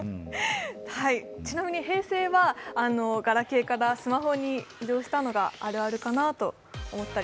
ちなみに平成はガラケーからスマホに移動したのがあるあるかなと思って。